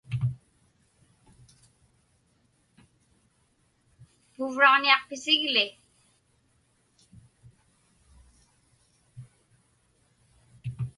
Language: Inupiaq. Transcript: Puuvraġniaqpisigli?